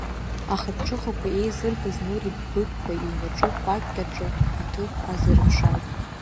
Ахыԥҽыхақәа еизыргаз Нури Быҭәба иҩнаҿы кәакьк аҿы аҭыԥ азырыԥшааит.